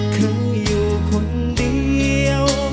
เคยอยู่คนเดียว